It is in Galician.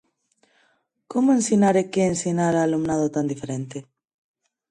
Como ensinar e que ensinar a alumnado tan diferente?